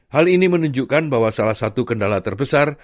hal ini menunjukkan bahwa salah satu kendala terbesar